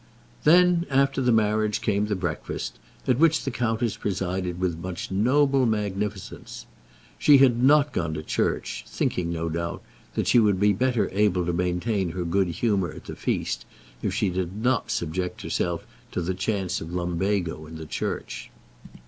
Then, after the marriage, came the breakfast, at which the countess presided with much noble magnificence. She had not gone to church, thinking, no doubt, that she would be better able to maintain her good humour at the feast, if she did not subject herself to the chance of lumbago in the church.